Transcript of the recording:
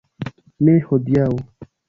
Ne hodiaŭ.